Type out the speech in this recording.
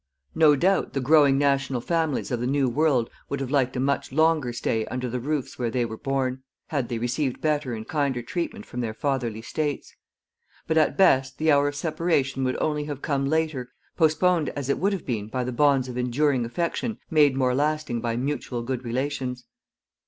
No doubt the growing national families of the New World would have liked a much longer stay under the roofs where they were born, had they received better and kinder treatment from their fatherly States. But at best the hour of separation would only have come later, postponed as it would have been by the bonds of enduring affection made more lasting by mutual good relations.